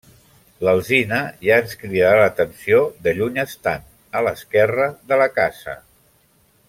L'alzina ja ens cridarà l'atenció de lluny estant, a l'esquerra de la casa.